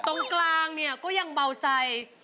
ตรงกลางเนี่ยก็ยังเบาใจ